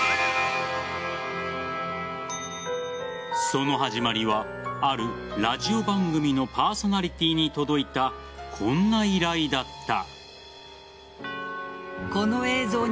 その始まりはあるラジオ番組のパーソナリティーに届いたこんな依頼だった。